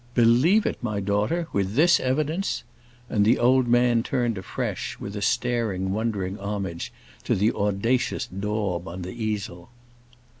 "Believe it, my daughter? With this evidence!" And the old man turned afresh, with a staring, wondering homage, to the audacious daub on the easel.